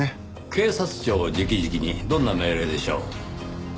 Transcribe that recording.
警察庁直々にどんな命令でしょう？